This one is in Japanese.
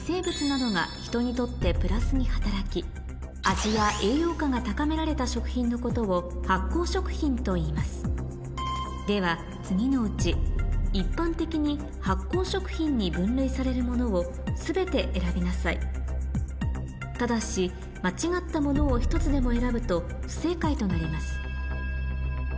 味や栄養価が高められた食品のことを発酵食品といいますでは次のうち一般的にただし間違ったものを１つでも選ぶと不正解となります